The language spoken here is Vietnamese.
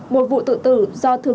một vụ tự tử